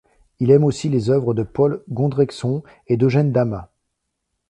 Il aime aussi les œuvres de Paul Gondrexon et d'Eugène Damas.